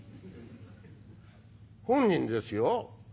「本人ですよ。